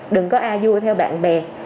đừng có a dua theo bạn bè